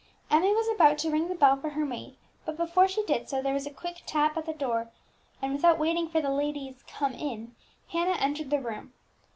Emmie was about to ring the bell for her maid; but before she did so, there was a quick tap at the door, and, without waiting for the lady's "Come in," Hannah entered the room.